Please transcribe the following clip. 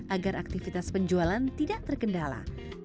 agar aktivitas penjualan tidak terkendala